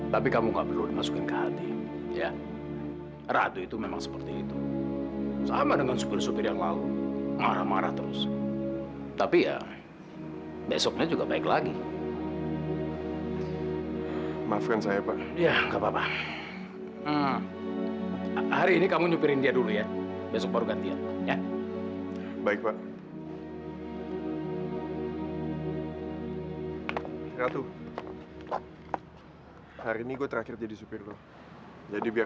tapi lo dengerin penjelasan gue